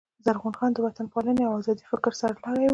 زرغون خان د وطن پالني او آزادۍ د فکر سر لاری وو.